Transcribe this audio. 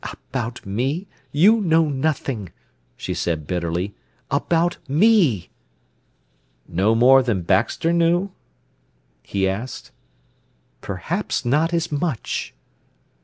"About me you know nothing," she said bitterly—"about me!" "No more than Baxter knew?" he asked. "Perhaps not as much."